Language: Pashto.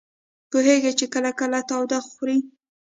پوهېږي چې کله کله تاوده خوري.